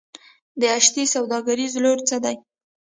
د اتشې سوداګریز رول څه دی؟